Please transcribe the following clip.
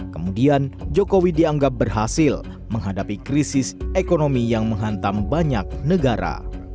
kemudian jokowi dianggap berhasil menghadapi krisis ekonomi yang menghantam banyak negara